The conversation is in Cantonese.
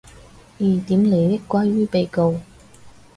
疑點利益歸於被告